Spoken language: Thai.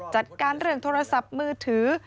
จัดการเรื่องโทรศัพท์มือถือ